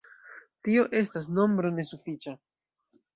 Tio estas nombro nesufiĉa.